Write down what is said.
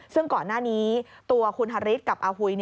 ซึ่งก่อนหน้านี้ตัวคุณฮาริสกับอาหุย